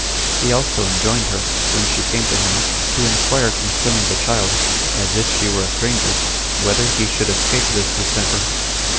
He also enjoined her, when she came to him, to inquire concerning the child, as if she were a stranger, whether he should escape this distemper.